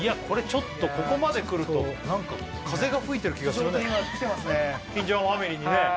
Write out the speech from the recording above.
これちょっとここまでくるとなんか風が吹いてる気がするね相当今きてますね